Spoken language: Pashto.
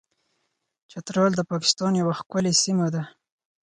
چترال د پاکستان یوه ښکلې سیمه ده.